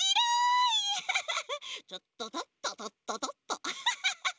とっととっととっととっとアハハハハ！